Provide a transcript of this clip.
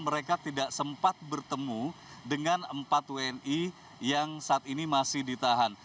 mereka tidak sempat bertemu dengan empat wni yang saat ini masih ditahan